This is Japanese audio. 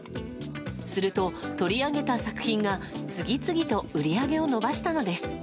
すると、取り上げた作品が次々と売り上げを伸ばしたのです。